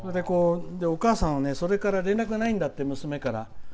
お母さん、それから連絡がないんだって娘から。